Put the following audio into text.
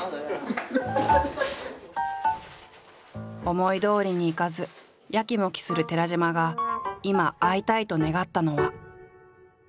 思いどおりにいかずやきもきする寺島が今会いたいと願ったのは。